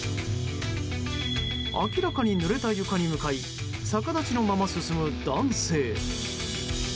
明らかにぬれた床に向かい逆立ちのまま進む男性。